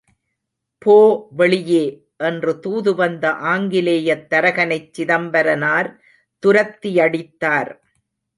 போ, வெளியே என்று தூது வந்த ஆங்கிலேயத் தரகனைச் சிதம்பரனார் துரத்தியடித்தார்.